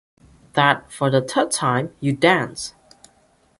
That for the third time, you dunce!